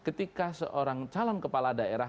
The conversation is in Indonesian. ketika seorang calon kepala daerah